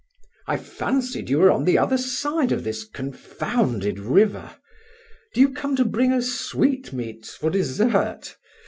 "I fancied you were on the other side of this confounded river. Do you come to bring us sweetmeats for dessert?